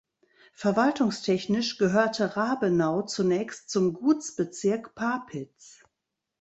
Verwaltungstechnisch gehörte Rabenau zunächst zum Gutsbezirk Papitz.